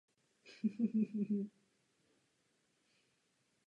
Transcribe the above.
Financí k její stavbě bylo dosaženo veřejnou sbírkou.